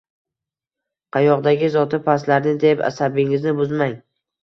Qayoqdagi zoti pastlarni deb asabingizni buzmang